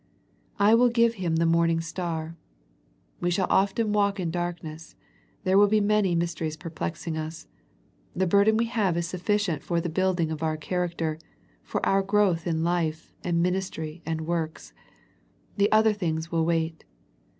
" I will give him the morning star." We shall often walk in darkness. There will be many mysteries perplexing us. The burden we have is sufficient for the building of our char acter, for our growth in life, and ministry and works. The other things will wait.